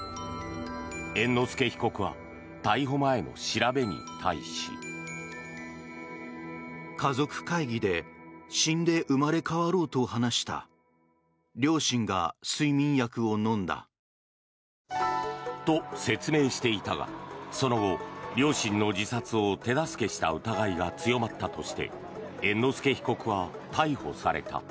猿之助被告は逮捕前の調べに対し。と、説明していたがその後、両親の自殺を手助けした疑いが強まったとして猿之助被告は逮捕された。